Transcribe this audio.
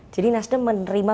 jadi nasdem menerima